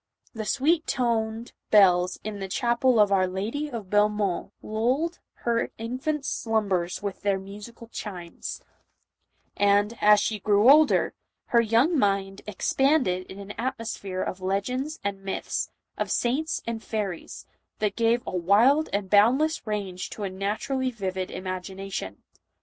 The sweet toned bells in the chapel of our Lady of Belle mont lulled her infant slumbers with their musical chimes ; and, as she grew older, her young mind ex panded in an atmosphere of legends and myths, of saints and fairies, that gave a wild and boundless range to a naturally vivid imagination.